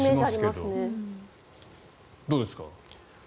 どうですか？